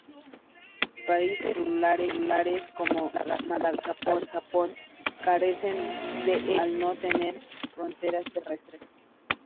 Países insulares como Madagascar y Japón carecen de ellos al no tener fronteras terrestres.